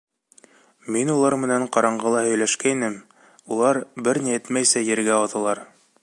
Мин улар менән ҡараңғыла һөйләшкәйнем, улар, бер ни әйтмәйсә, ергә ауҙылар.